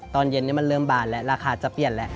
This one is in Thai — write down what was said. ตอนเย็นนี้มันเริ่มบานแล้วราคาจะเปลี่ยนแล้ว